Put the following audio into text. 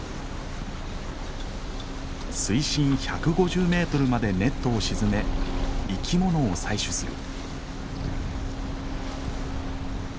水深１５０メートルまでネットを沈め生き物を採取する。